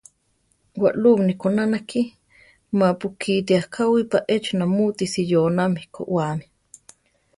Walubni kóna nakí, mapú kíti akáwipa échi namúti siyónami kowáami.